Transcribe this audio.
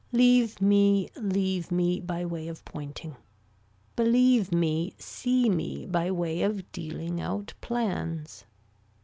Leave me leave me by way of pointing. Believe me see me by way of dealing out plans.